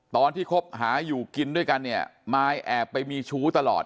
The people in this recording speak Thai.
คบหาอยู่กินด้วยกันเนี่ยมายแอบไปมีชู้ตลอด